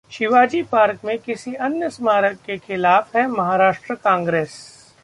Shivaji Park में किसी अन्य स्मारक के खिलाफ है महाराष्ट्र कांग्रेस